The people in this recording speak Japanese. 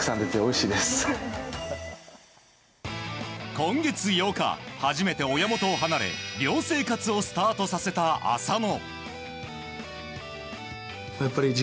今月８日、初めて親元を離れ寮生活をスタートさせた浅野。